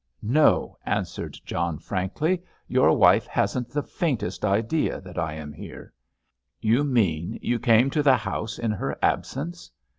"No," answered John frankly. "Your wife hasn't the faintest idea that I am here." "You mean you came to the house in her absence?"